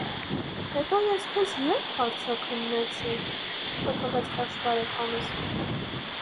- Հետո ես քեզ ե՞րբ հարցաքննեցի,- թոթովեց խեղճ բարեկամս: